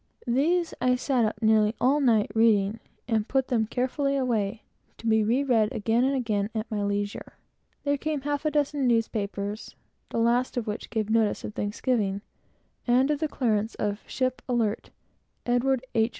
These I sat up nearly all the night to read, and put them carefully away, to be read and re read again and again at my leisure. Then came a half a dozen newspapers, the last of which gave notice of Thanksgiving, and of the clearance of "ship Alert, Edward H.